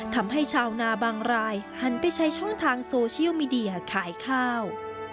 ทำให้ชาวนาบางรายหันไปใช้ช่องทางโซเชียลมีเดียขายข้าว